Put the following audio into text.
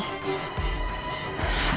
aku gak usah khawatir